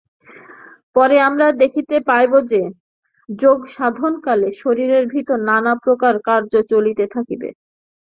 পরে আমরা দেখিতে পাইব যে, যোগ-সাধনকালে শরীরের ভিতর নানাপ্রকার কার্য চলিতে থাকিবে।